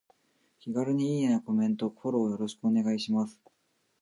気軽にいいねやコメント、フォローよろしくお願いします。